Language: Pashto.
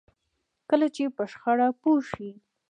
کله چې په شخړه پوه شئ.